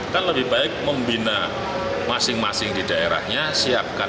kan lebih baik membina masing masing di daerahnya siapkan